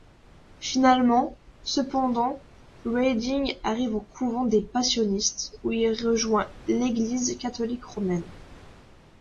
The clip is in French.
Finalement, cependant, Reding arrive au couvent des Passionistes, où il rejoint l'Église catholique romaine.